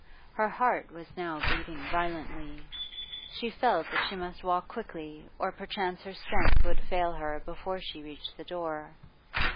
Her heart was now beating violently; she felt that she must walk quickly or perchance her strength would fail her before she reached the door.